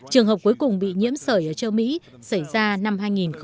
trường hợp cuối cùng bị nhiễm sởi ở châu mỹ xảy ra năm hai nghìn hai